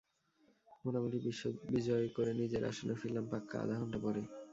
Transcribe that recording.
মোটামুটি বিশ্ব বিজয় করে নিজের আসনে ফিরলাম পাক্কা আধা ঘণ্টা পরে।